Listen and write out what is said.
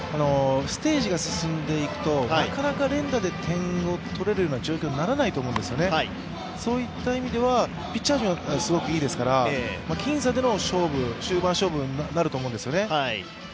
ステージが進んでいくと、なかなか連打で点を取れるような状況にならないと思うんですよね、そういった意味ではピッチャー陣はすごくいいですから僅差での勝負、終盤勝負になると思うんですよね。